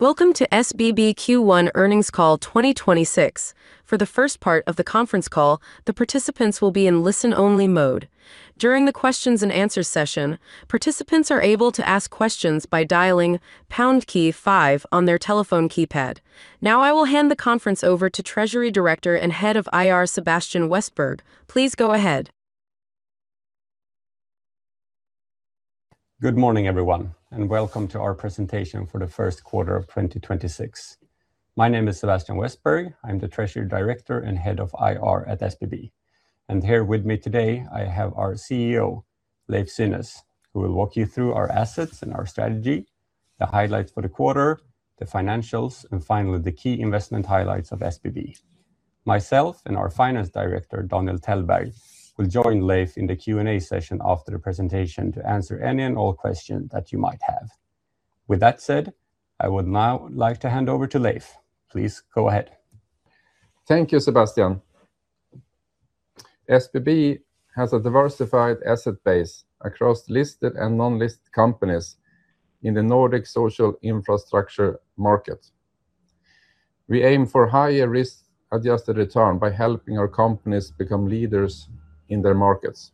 Welcome to SBB Q1 earnings call 2026. For the first part of the conference call, the participants will be in listen-only mode. During the questions and answers session, participants are able to ask questions by dialing pound key five on their telephone keypad. I will hand the conference over to Treasury Director and Head of IR, Sebastian Westberg. Please go ahead. Good morning, everyone, and welcome to our presentation for the first quarter of 2026. My name is Sebastian Westberg. I'm the Treasury Director and Head of IR at SBB. Here with me today I have our CEO, Leiv Synnes, who will walk you through our assets and our strategy, the highlights for the quarter, the financials, and finally, the key investment highlights of SBB. Myself and our Finance Director, Daniel Tellberg, will join Leiv in the Q&A session after the presentation to answer any and all questions that you might have. With that said, I would now like to hand over to Leiv. Please go ahead. Thank you, Sebastian. SBB has a diversified asset base across listed and non-listed companies in the Nordic social infrastructure market. We aim for higher risk-adjusted return by helping our companies become leaders in their markets.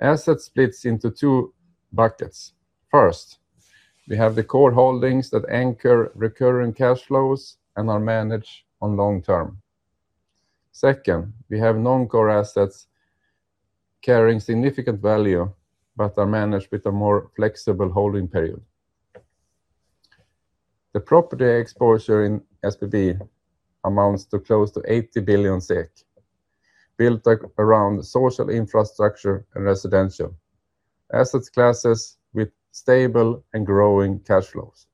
Asset splits into two buckets. First, we have the core holdings that anchor recurring cash flows and are managed on long term. Second, we have non-core assets carrying significant value but are managed with a more flexible holding period. The property exposure in SBB amounts to close to 80 billion SEK, built around social infrastructure and residential asset classes with stable and growing cash flows.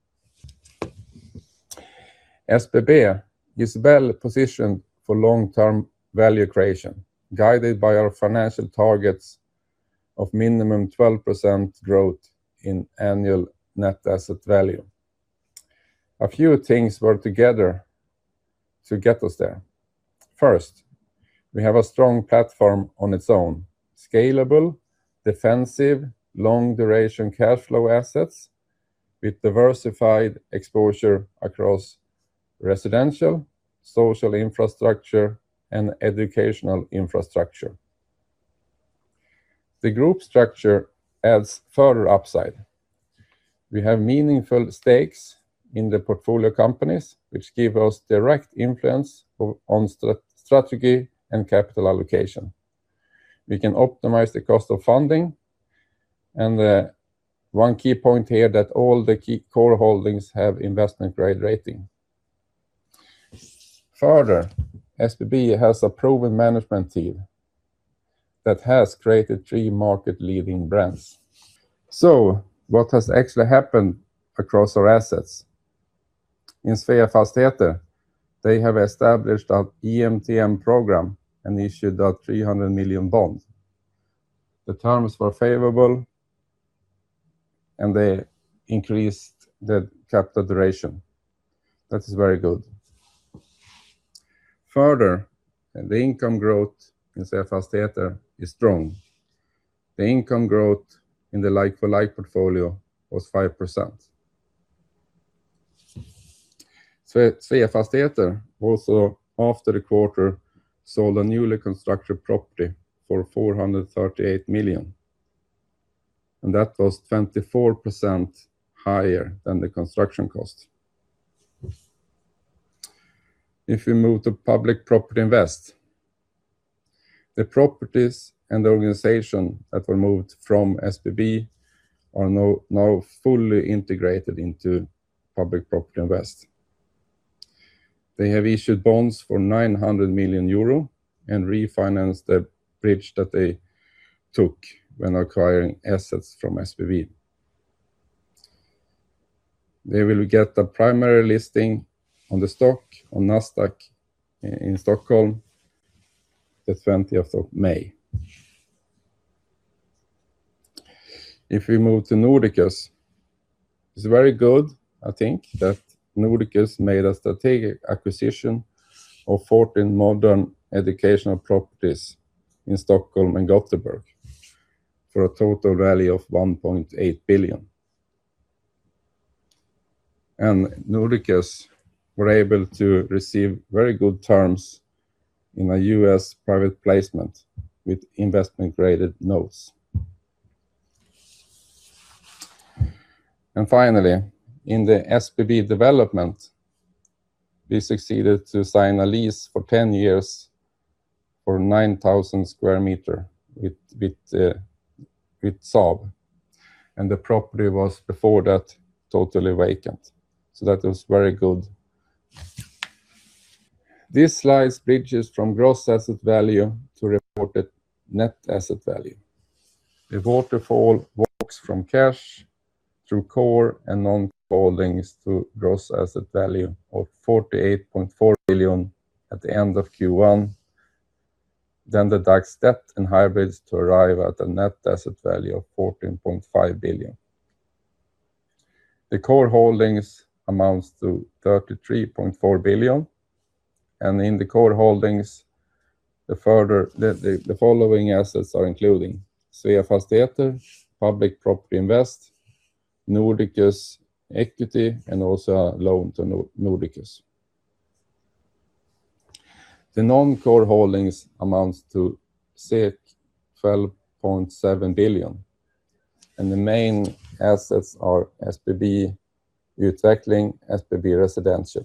SBB is well-positioned for long-term value creation, guided by our financial targets of minimum 12% growth in annual net asset value. A few things work together to get us there. First, we have a strong platform on its own, scalable, defensive, long-duration cash flow assets with diversified exposure across residential, social infrastructure, and educational infrastructure. The group structure adds further upside. We have meaningful stakes in the portfolio companies, which give us direct influence on strategy and capital allocation. We can optimize the cost of funding, and one key point here that all the key core holdings have investment-grade rating. Further, SBB has a proven management team that has created three market leading brands. What has actually happened across our assets? In Sveafastigheter they have established an EMTN program and issued a 300 million bond. The terms were favorable, and they increased the capital duration. That is very good. Further, the income growth in Sveafastigheter is strong. The income growth in the like-for-like portfolio was 5%. Sveafastigheter also after the quarter sold a newly constructed property for 438 million, that was 24% higher than the construction cost. If we move to Public Property Invest, the properties and the organization that were moved from SBB are now fully integrated into Public Property Invest. They have issued bonds for 900 million euro and refinanced the bridge that they took when acquiring assets from SBB. They will get the primary listing on the stock on Nasdaq Stockholm the 20th of May. If we move to Nordiqus, it's very good, I think, that Nordiqus made a strategic acquisition of 14 modern educational properties in Stockholm and Gothenburg for a total value of 1.8 billion. Nordiqus were able to receive very good terms in a US private placement with investment-grade notes. Finally, in the SBB Development, we succeeded to sign a lease for 10 years for 9,000 sq m with Saab, and the property was before that totally vacant. That was very good. This slide bridges from gross asset value to reported net asset value. The waterfall works from cash through core and non-core holdings to gross asset value of 48.4 billion at the end of Q1, then deducts debt and hybrids to arrive at a net asset value of 14.5 billion. The core holdings amounts to 33.4 billion. In the core holdings, the further the following assets are including Sveafastigheter, Public Property Invest, Nordiqus Equity, and also a loan to Nordiqus. The non-core holdings amounts to 12.7 billion, and the main assets are SBB Utveckling, SBB Residential.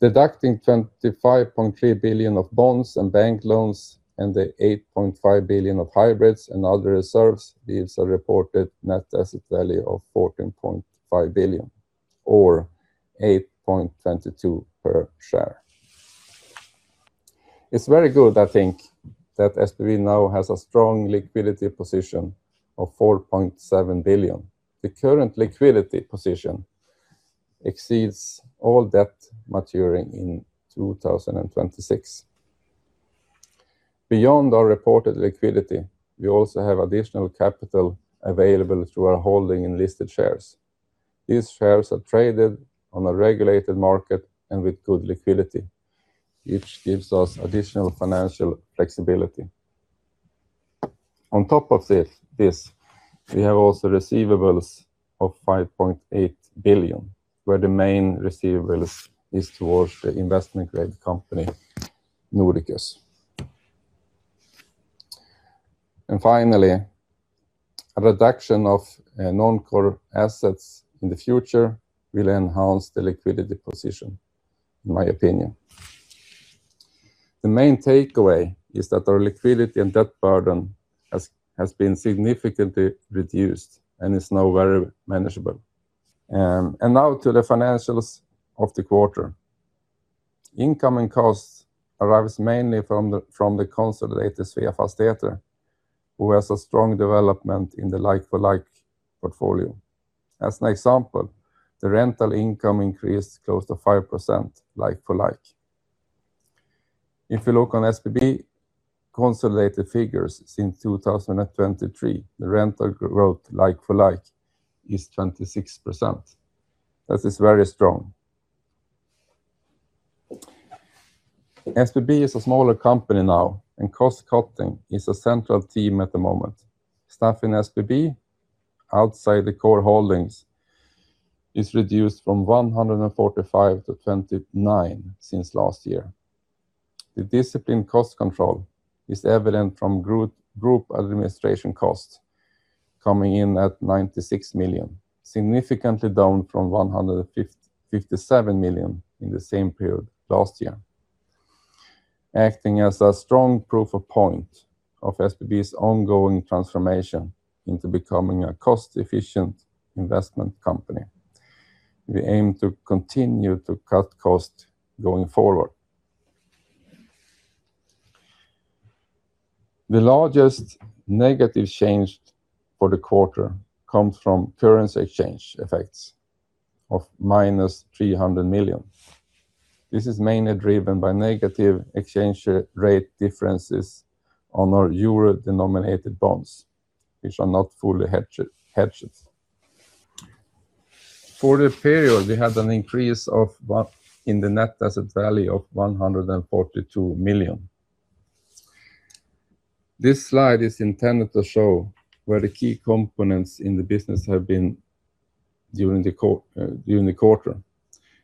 Deducting 25.3 billion of bonds and bank loans, and the 8.5 billion of hybrids and other reserves, leaves a reported net asset value of 14.5 billion or 8.22 per share. It's very good, I think, that SBB now has a strong liquidity position of 4.7 billion. The current liquidity position exceeds all debt maturing in 2026. Beyond our reported liquidity, we also have additional capital available through our holding in listed shares. These shares are traded on a regulated market and with good liquidity, which gives us additional financial flexibility. On top of this, we have also receivables of 5.8 billion, where the main receivables is towards the investment-grade company, Nordiqus. Finally, a reduction of non-core assets in the future will enhance the liquidity position, in my opinion. The main takeaway is that our liquidity and debt burden has been significantly reduced and is now very manageable. Now to the financials of the quarter. Incoming costs arrives mainly from the consolidated Sveafastigheter, who has a strong development in the like-for-like portfolio. As an example, the rental income increased close to 5% like-for-like. If you look on SBB consolidated figures since 2023, the rental growth like-for-like is 26%. That is very strong. SBB is a smaller company now, and cost-cutting is a central theme at the moment. Staff in SBB, outside the core holdings, is reduced from 145 to 29 since last year. The disciplined cost control is evident from group administration costs coming in at 96 million, significantly down from 157 million in the same period last year, acting as a strong proof of point of SBB's ongoing transformation into becoming a cost-efficient investment company. We aim to continue to cut costs going forward. The largest negative change for the quarter comes from currency exchange effects of -300 million. This is mainly driven by negative exchange rate differences on our euro-denominated bonds, which are not fully hedged. For the period, we had an increase in the net asset value of 142 million. This slide is intended to show where the key components in the business have been during the quarter,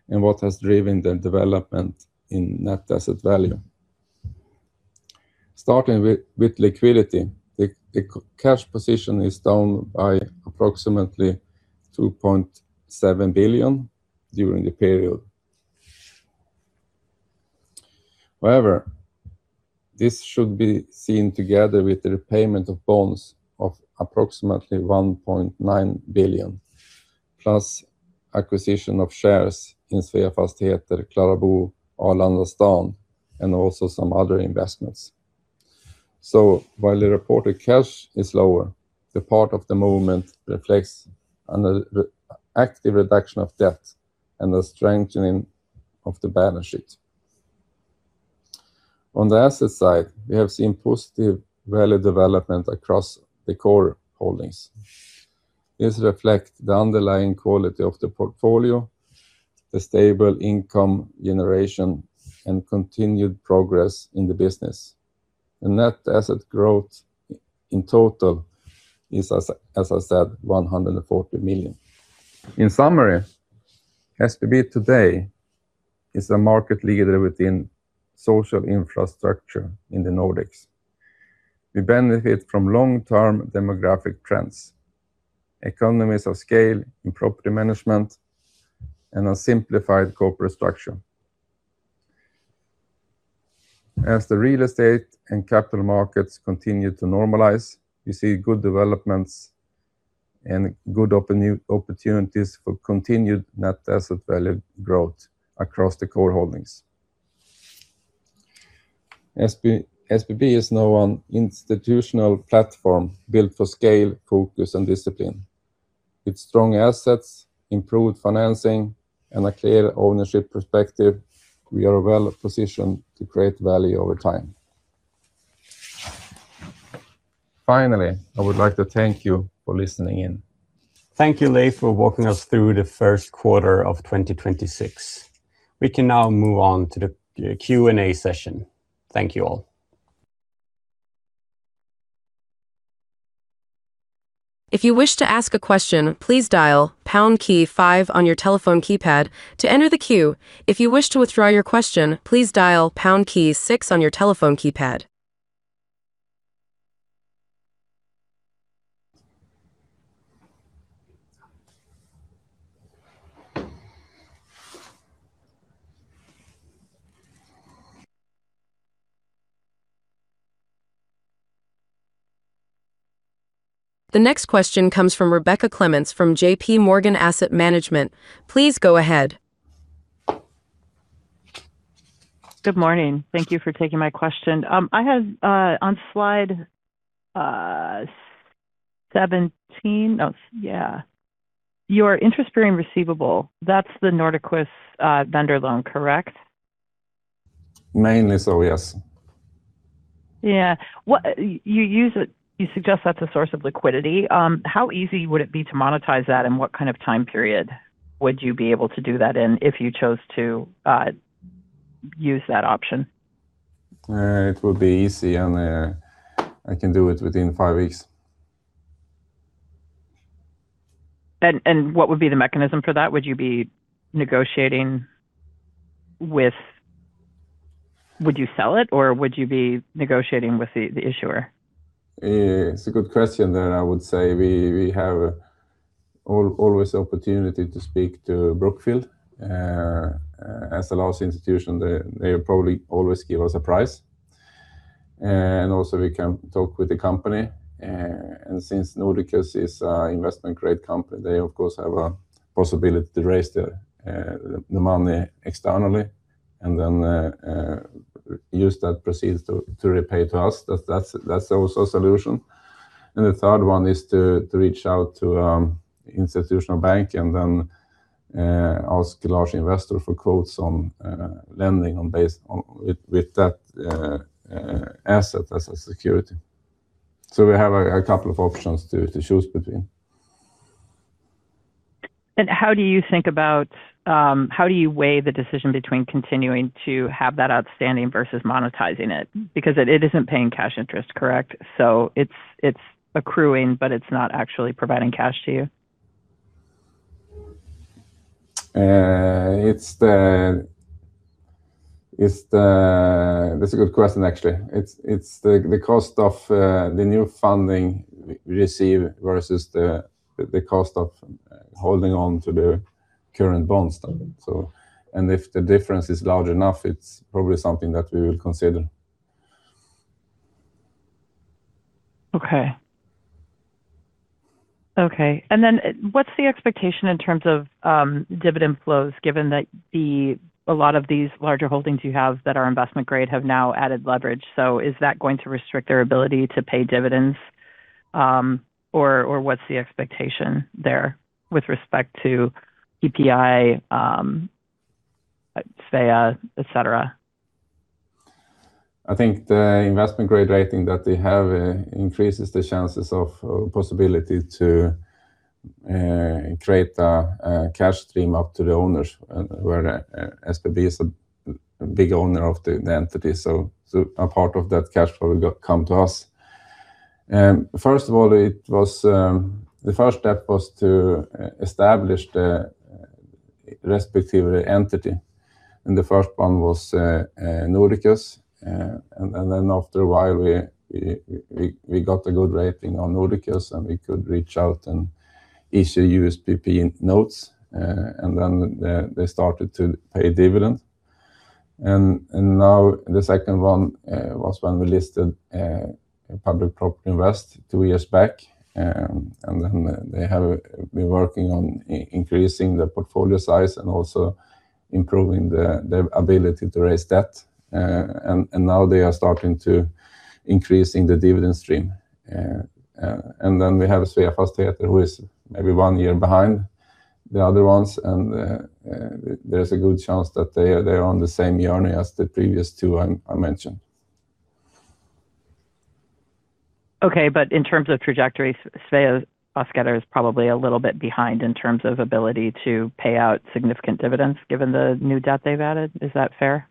and what has driven the development in net asset value. Starting with liquidity, the cash position is down by approximately 2.7 billion during the period. However, this should be seen together with the repayment of bonds of approximately 1.9 billion, plus acquisition of shares in Sveafastigheter, KlaraBo, Arlandastad, and also some other investments. While the reported cash is lower, the part of the movement reflects an active reduction of debt and a strengthening of the balance sheet. On the asset side, we have seen positive value development across the core holdings. This reflect the underlying quality of the portfolio, the stable income generation, and continued progress in the business. The net asset growth in total is, as I said, 140 million. In summary, SBB today is the market leader within social infrastructure in the Nordics. We benefit from long-term demographic trends, economies of scale in property management, and a simplified corporate structure. As the real estate and capital markets continue to normalize, we see good developments and new opportunities for continued net asset value growth across the core holdings. SBB is now an institutional platform built for scale, focus, and discipline. With strong assets, improved financing, and a clear ownership perspective, we are well-positioned to create value over time. Finally, I would like to thank you for listening in. Thank you, Leiv, for walking us through the first quarter of 2026. We can now move on to the Q&A session. Thank you all. If you wish to ask a question, please dial pound key five on your telephone keypad to enter the queue. If you wish to withdraw your question, please dial pound key six on your telephone keypad. The next question comes from Rebecca Clements from JPMorgan Asset Management. Please go ahead. Good morning. Thank you for taking my question. I had on slide 17, no, yeah. Your interest bearing receivable, that's the Nordiqus vendor loan, correct? Mainly so, yes. Yeah. You suggest that's a source of liquidity. How easy would it be to monetize that, and what kind of time period would you be able to do that in if you chose to use that option? It would be easy, and I can do it within five weeks. What would be the mechanism for that? Would you sell it, or would you be negotiating with the issuer? It's a good question. I would say we have always the opportunity to speak to Brookfield. As a large institution, they probably always give us a price. Also, we can talk with the company. Since Nordiqus is a investment-grade company, they of course have a possibility to raise the money externally and then use that proceeds to repay to us. That's also a solution. The third one is to reach out to institutional bank and then ask large investor for quotes on lending on based on with that asset as a security. We have a couple of options to choose between. How do you think about How do you weigh the decision between continuing to have that outstanding versus monetizing it? It isn't paying cash interest, correct? It's accruing, but it's not actually providing cash to you. That's a good question, actually. It's the cost of the new funding we receive versus the cost of holding on to the current bonds standing. If the difference is large enough, it's probably something that we will consider. Okay. Okay. What's the expectation in terms of dividend flows, given that a lot of these larger holdings you have that are investment-grade have now added leverage. Is that going to restrict their ability to pay dividends, or what's the expectation there with respect to PPI, Svea, et cetera? I think the investment-grade rating that they have increases the chances of possibility to create a cash stream up to the owners, where SBB is a big owner of the entity. A part of that cash flow come to us. First of all, it was The first step was to establish the respective entity, the first one was Nordiqus. Then after a while, we got a good rating on Nordiqus, and we could reach out and issue USPP notes. Then they started to pay dividends. Now the second one was when we listed Public Property Invest two years back. They have been working on increasing the portfolio size and also improving the ability to raise debt. Now they are starting to increasing the dividend stream. We have Sveafastigheter who is maybe one year behind the other ones. There's a good chance that They're on the same journey as the previous two I mentioned. Okay. In terms of trajectory, Sveafastigheter is probably a little bit behind in terms of ability to pay out significant dividends given the new debt they've added. Is that fair?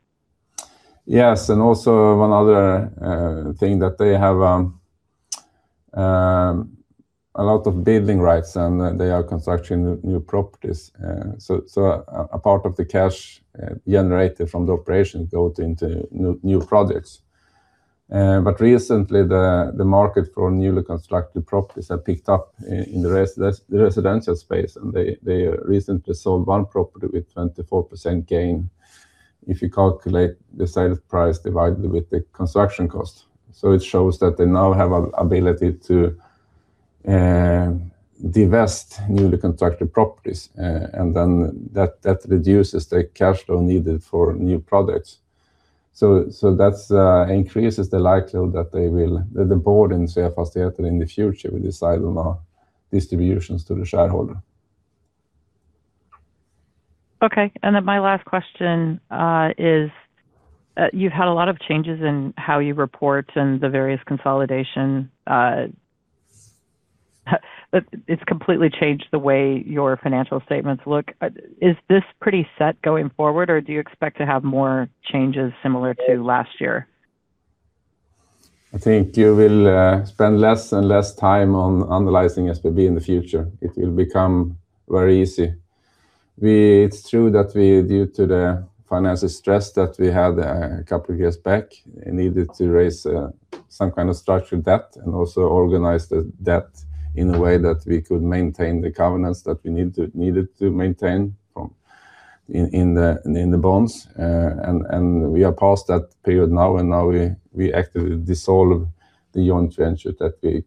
Yes. One other thing that they have a lot of building rights, and they are constructing new properties. A part of the cash generated from the operation goes into new projects. Recently, the market for newly constructed properties have picked up in the residential space, and they recently sold one property with 24% gain, if you calculate the sales price divided with the construction cost. It shows that they now have a ability to divest newly constructed properties, and then that reduces the cash flow needed for new projects. That's increases the likelihood that the board in Sveafastigheter in the future will decide on distributions to the shareholder. Okay. My last question is, you've had a lot of changes in how you report and the various consolidation, but it's completely changed the way your financial statements look. Is this pretty set going forward, or do you expect to have more changes similar to last year? I think you will spend less and less time on analyzing SBB in the future. It will become very easy. It's true that we, due to the financial stress that we had a couple of years back, needed to raise some kind of structured debt and also organize the debt in a way that we could maintain the covenants that we needed to maintain from in the bonds. We are past that period now, and now we actively dissolve the joint venture that we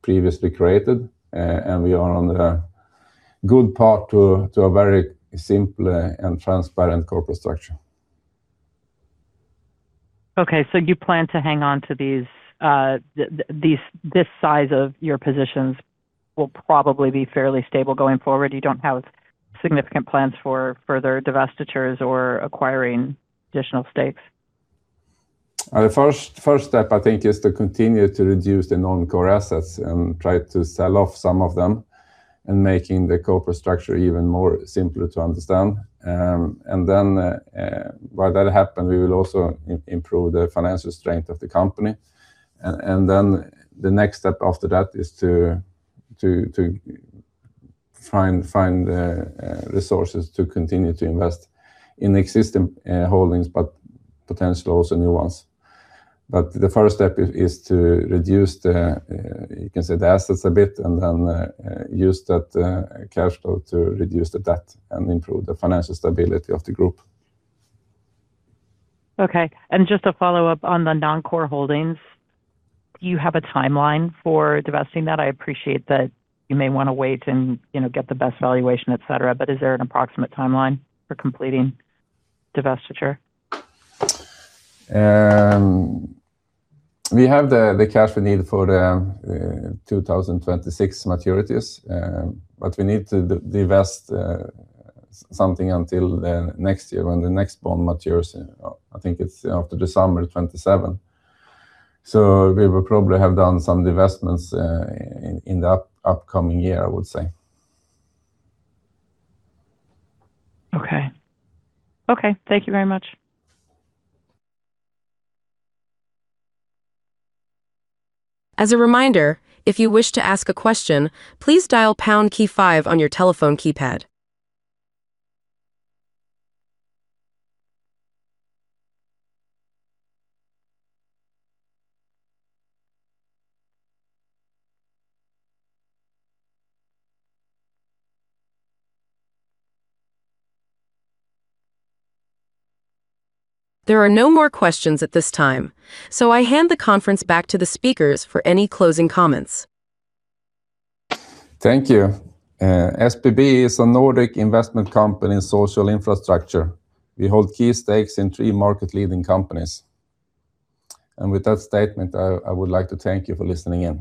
previously created, and we are on a good path to a very simple and transparent corporate structure. Okay, you plan to hang on to these, this size of your positions will probably be fairly stable going forward. You don't have significant plans for further divestitures or acquiring additional stakes? The first step, I think, is to continue to reduce the non-core assets and try to sell off some of them and making the corporate structure even more simpler to understand. While that happen, we will also improve the financial strength of the company. The next step after that is to find the resources to continue to invest in existing holdings, but potentially also new ones. The first step is to reduce you can say the assets a bit, and then use that cash flow to reduce the debt and improve the financial stability of the group. Okay. Just a follow-up on the non-core holdings, do you have a timeline for divesting that? I appreciate that you may wanna wait and, you know, get the best valuation, et cetera, but is there an approximate timeline for completing divestiture? We have the cash we need for the 2026 maturities, but we need to divest something until the next year when the next bond matures. I think it's after December 2027. We will probably have done some divestments in the upcoming year, I would say. Okay. Okay. Thank you very much. As a reminder, if you wish to ask a question, please dial pound key five on your telephone keypad. There are no more questions at this time, I hand the conference back to the speakers for any closing comments. Thank you. SBB is a Nordic investment company in social infrastructure. We hold key stakes in three market-leading companies. With that statement, I would like to thank you for listening in.